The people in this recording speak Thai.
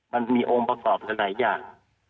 มันมีองค์ประกอบหลายอย่าง